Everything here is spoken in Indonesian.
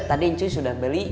tadi cuy sudah beli